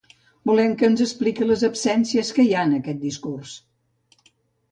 Volem que ens expliqui les absències que hi ha en aquell discurs.